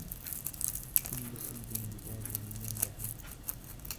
كل كلب ببابه ينبح